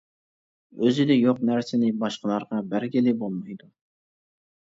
ئۆزىدە يوق نەرسىنى باشقىلارغا بەرگىلى بولمايدۇ.